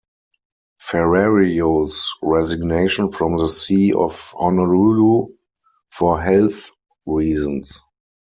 Ferrario's resignation from the See of Honolulu, for health reasons.